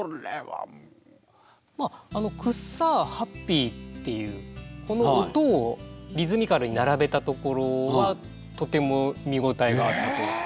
まあ「くっさー」「ハッピー」っていうこの音をリズミカルに並べたところはとても見応えがあるところだと思うんですけど。